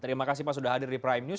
terima kasih pak sudah hadir di prime news